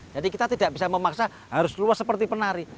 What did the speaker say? jadi kita tidak bisa memaksa harus luas seperti penari